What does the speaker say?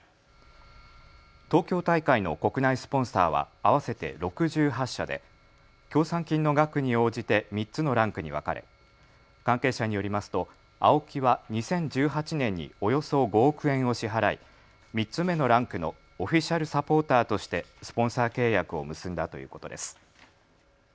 東京大会の国内スポンサーは合わせて６８社で協賛金の額に応じて３つのランクに分かれ関係者によりますとＡＯＫＩは２０１８年におよそ５億円を支払い３つ目のランクのオフィシャルサポーターとしてスポンサー契約を結んだということです。